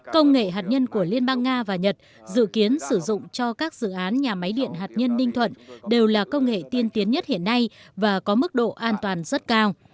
công nghệ hạt nhân của liên bang nga và nhật dự kiến sử dụng cho các dự án nhà máy điện hạt nhân ninh thuận đều là công nghệ tiên tiến nhất hiện nay và có mức độ an toàn rất cao